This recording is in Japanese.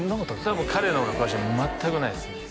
多分彼の方が詳しい全くないですね